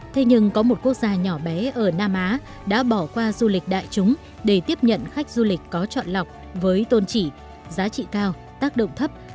thế nhưng có một quốc gia nhỏ bé ở nam á đã bỏ qua du lịch đại chúng để tiếp nhận khách du lịch có chọn lọc với tôn trị giá trị cao tác động thấp